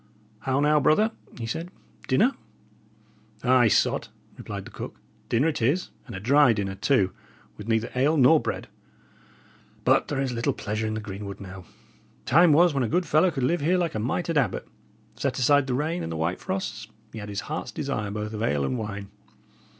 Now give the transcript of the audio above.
"How now, brother?" he said. "Dinner?" "Ay, sot," replied the cook, "dinner it is, and a dry dinner, too, with neither ale nor bread. But there is little pleasure in the greenwood now; time was when a good fellow could live here like a mitred abbot, set aside the rain and the white frosts; he had his heart's desire both of ale and wine.